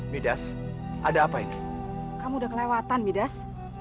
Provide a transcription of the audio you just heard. midas ada apa ini kamu udah kelewatan midas